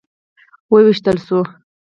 وویشتل شو.